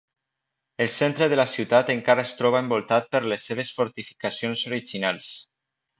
El centre de la ciutat encara es troba envoltat per les seves fortificacions originals.